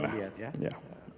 tidak melihat ya